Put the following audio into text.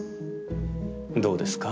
どうですか？